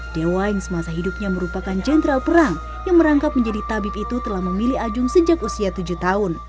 dewa yang semasa hidupnya merupakan jenderal perang yang merangkap menjadi tabib itu telah memilih ajung sejak usia tujuh tahun